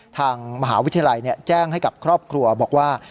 ทางมหาวิทยาลัยแจ้งให้กับครอบครัวบอกว่า